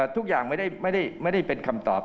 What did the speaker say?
ทุกอย่างไม่ได้เป็นคำตอบ